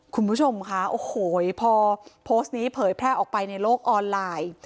คุณผู้ชมค่ะโอ้โหพอโพสต์นี้เผยแพร่ออกไปในโลกออนไลน์